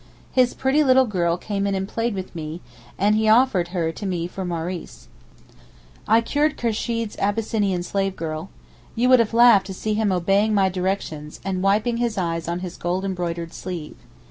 His pretty little girl came in and played with me, and he offered her to me for Maurice. I cured Kursheed's Abyssinian slave girl. You would have laughed to see him obeying my directions, and wiping his eyes on his gold embroidered sleeve.